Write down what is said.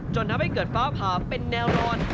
ทำให้เกิดฟ้าผ่าเป็นแนวนอน